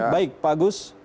baik pak agus